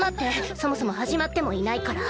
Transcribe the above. そもそも始まってもいないから。